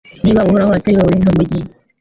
Niba Uhoraho atari we urinze umugi